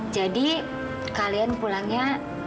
jadi kalian pulangnya